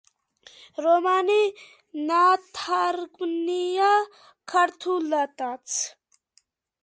რომანი ნათარგმნია ქართულადაც.